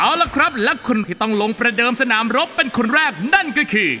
เอาล่ะครับและคุณที่ต้องลงประเดิมสนามรบเป็นคนแรกนั่นก็คือ